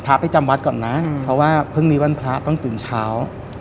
พระไปจำวัดก่อนนะเพราะว่าพรุ่งนี้วันพระต้องตื่นเช้า